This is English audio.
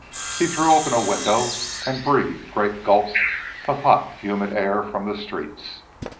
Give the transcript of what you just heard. He threw open a window and breathed great gulps of the hot, humid air from the streets.